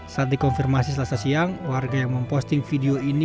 saat dikonfirmasi selasa siang warga yang memposting video ini